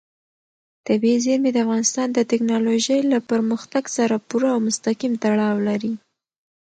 طبیعي زیرمې د افغانستان د تکنالوژۍ له پرمختګ سره پوره او مستقیم تړاو لري.